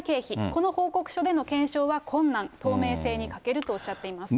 この報告書での検証は困難、透明性に欠けるとおっしゃっています。